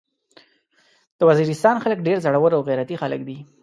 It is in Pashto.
د وزيرستان خلک ډير زړور او غيرتي خلک دي.